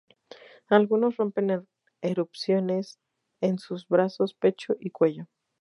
Algunos rompen en erupciones en sus brazos, pecho, y cuello.